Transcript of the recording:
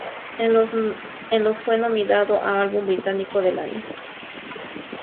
En los fue nominado a "Álbum Británico del Año".